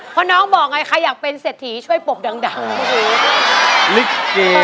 เพราะน้องบอกไงใครอยากเป็นเศรษฐีช่วยปบดัง